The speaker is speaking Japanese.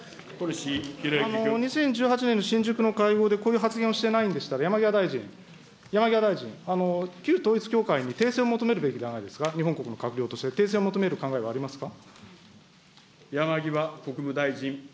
２０１８年の新宿の会合でこういう発言をしてないんでしたら、山際大臣、山際大臣、旧統一教会に訂正を求めるべきではないですか、日本国の閣僚として、訂正を求める考えはありますか。